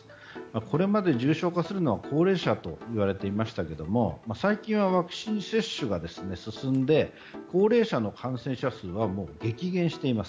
これまで重症化するのは高齢者と言われていましたけど最近はワクチン接種が進んで高齢者の感染者数は激減しています。